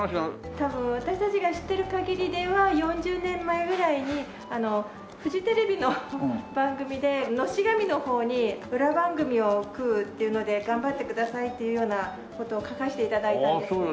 多分私たちが知ってる限りでは４０年前ぐらいにフジテレビの番組でのし紙の方に裏番組を食うっていうので頑張ってくださいっていうような事を書かせて頂いたんです。